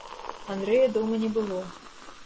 Андрэя дома не было.